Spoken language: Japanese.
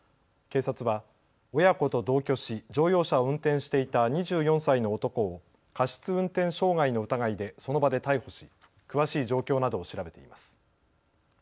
警察は親子と同居し乗用車を運転していた２４歳の男を過失運転傷害の疑いでその場で逮捕し詳しい状況などを調べています。